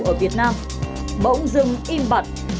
ở việt nam bỗng dưng im bật